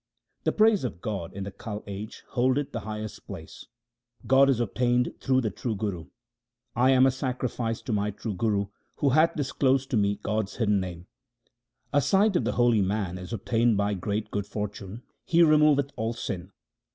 The praise of God in the Kal age holdeth the highest place ; God is obtained through the true Guru. 1 am a sacrifice to my true Guru who hath disclosed to me God's hidden name. A sight of the holy man is obtained by great good fortune ; he removeth all sin.